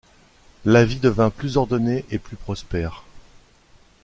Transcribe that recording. La vie devint plus ordonnée et plus prospère.